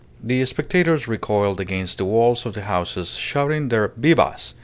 The spectators recoiled against the walls of the houses shouting their Vivas!